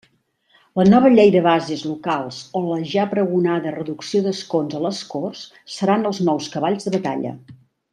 La nova llei de bases locals o la ja pregonada reducció d'escons a les Corts seran els nous cavalls de batalla.